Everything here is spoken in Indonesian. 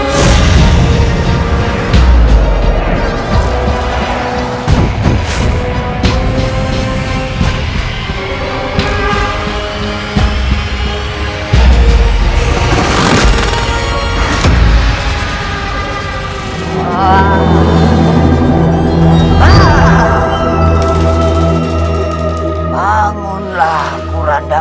lain waktu kita berusaha